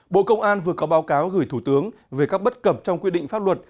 bộ công an vừa có báo cáo gửi thủ tướng về các bất cập trong quy định pháp luật